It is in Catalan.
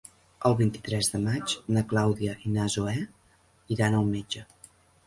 El vint-i-tres de maig na Clàudia i na Zoè iran al metge.